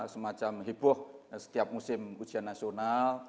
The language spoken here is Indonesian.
semacam heboh setiap musim ujian nasional